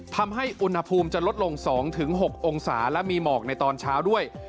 ทำให้อุณหภูมิจะลดลง๒๖องศาและมีหมอกในตอนเช้าด้วย